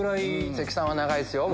関さんは長いですよ僕。